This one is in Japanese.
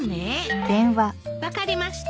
分かりました。